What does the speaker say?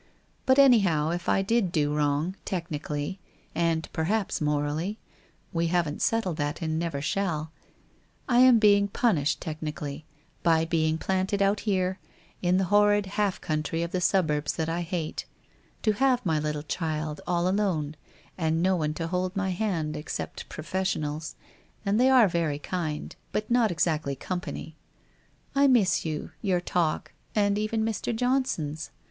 But anyhow, if I did do wrong, technically — and per haps morally — we haven't settled that and never shall — I am being punished technically, by being planted out here, in the horrid half country of the suburbs that T hate, to have my little child all alone, with no one to hold my hand, except professionals, and they are very kind, but not ex 410 WHITE ROSE OF WEARY LEAF actly company. I miss you, your talk and even Mr. John son's.